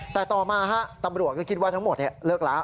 แต่ต่อมาตำรวจก็คิดว่าทั้งหมดเลิกแล้ว